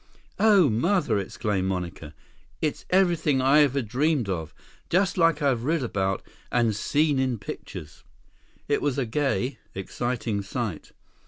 "Oh, Mother!" exclaimed Monica. "It's everything I ever dreamed of! Just like I've read about and seen in pictures." It was a gay, exciting sight.